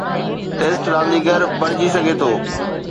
Test رانديگر بڻجي سگهي ٿو.